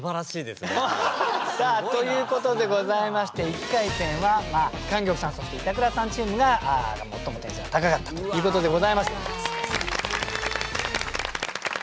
さあということでございまして一回戦は莟玉さんそして板倉さんチームが最も点数が高かったということでございました。